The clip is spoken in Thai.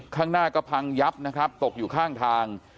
ข้างหน้าก็พังยับนะครับตกอยู่ข้างทาง